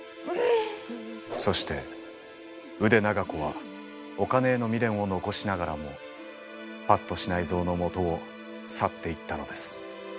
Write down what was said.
そして腕長子はお金への未練を残しながらも八渡支内造のもとを去っていったのです。